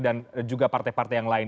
dan juga partai partai yang lain